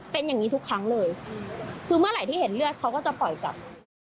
เป็นอย่างนี้ทุกครั้งเลยคือเมื่อไหร่ที่เห็นเลือดเขาก็จะปล่อยกลับ